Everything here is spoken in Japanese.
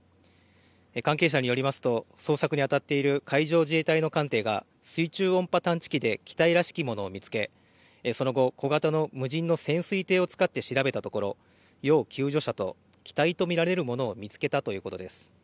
関係者によりますと、捜索に当たっている海上自衛隊の艦艇が水中音波探知機で機体らしきものを見つけその後、小型の無人の潜水艇を使って調べたところ要救助者と機体と見られるものを見つけたということです。